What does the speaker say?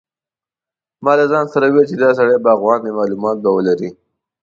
ما له ځان سره وویل چې دا سړی باغوان دی معلومات به ولري.